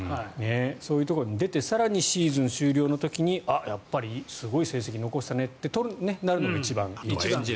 そういうところにも出て更にシーズン終了の時にやっぱりすごい成績残したねってなるのが一番ですね。